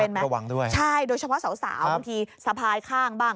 ประมาณประวังด้วยใช่โดยเฉพาะสาวบางทีสะพายข้างบ้าง